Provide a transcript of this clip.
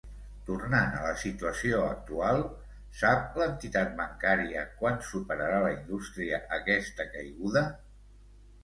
Tornant a la situació actual, sap l'entitat bancària quan superarà la indústria aquesta caiguda?